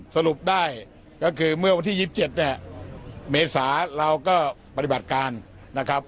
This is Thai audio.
สรุปได้ก็คือเมื่อวันที่๒๗เนี่ยเมษาเราก็ปฏิบัติการนะครับ